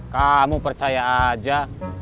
kamu percaya aja